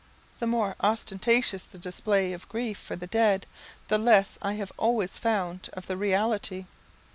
The more ostentatious the display of grief for the dead, the less I have always found of the reality.